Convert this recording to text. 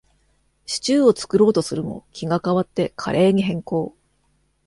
シチューを作ろうとするも、気が変わってカレーに変更